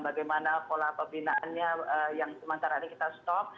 bagaimana pola pembinaannya yang sementara ini kita stop